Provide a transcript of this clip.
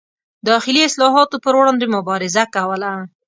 داخلي اصلاحاتو پر وړاندې مبارزه کوله.